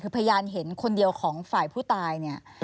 คือพยานเห็นคนเดียวของฝ่ายผู้ตายเนี่ย